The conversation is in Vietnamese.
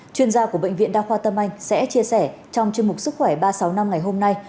chuyên gia của bệnh viện đa khoa tâm anh sẽ chia sẻ trong chương mục sức khỏe ba trăm sáu mươi năm ngày hôm nay